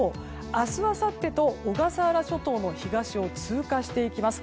明日、あさってと小笠原諸島の東を通過していきます。